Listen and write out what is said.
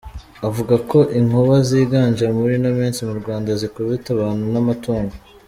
Avuga ko inkuba ziganje muri ino minsi mu Rwanda zikubita abantu n’amatungo.